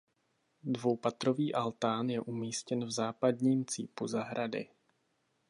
Dvoupatrový altán je umístěn v západním cípu zahrady.